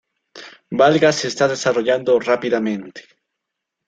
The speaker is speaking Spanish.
Valga se está desarrollando rápidamente.